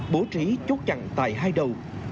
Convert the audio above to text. bố trí chốt chặn tại hai đầu